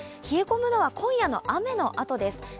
冷え込むのは今夜の雨のあとです。